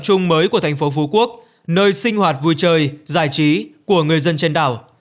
chung mới của thành phố phú quốc nơi sinh hoạt vui chơi giải trí của người dân trên đảo